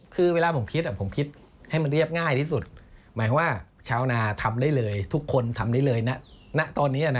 คือเวลาผมคิดผมคิดให้มันเรียบง่ายที่สุดหมายความว่าชาวนาทำได้เลยทุกคนทำได้เลยณตอนนี้นะ